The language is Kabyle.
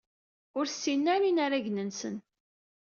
Ur ssinen ara inaragen-nsen.